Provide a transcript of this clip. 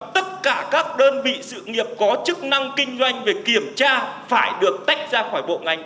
tất cả các đơn vị sự nghiệp có chức năng kinh doanh về kiểm tra phải được tách ra khỏi bộ ngành